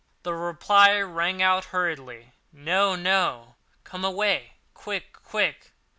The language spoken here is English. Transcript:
The reply rang out hurriedly: "No! no! Come away quick—quick!